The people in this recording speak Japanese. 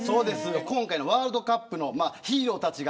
今回のワールドカップのヒーローたちが。